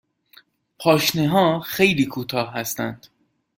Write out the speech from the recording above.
پاشنه ها خیلی کوتاه هستند.